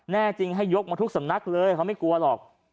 แน่จริงให้ยกมาทุกสำนักเลยเขาไม่กลัวหรอก